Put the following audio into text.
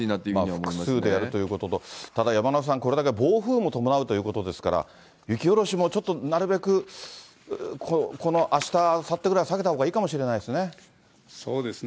複数でやるということと、ただ山村さん、これだけ暴風も伴うということですから、雪下ろしもちょっとなるべくこのあした、あさってぐらいは避けたほうがいいかもしれないですね。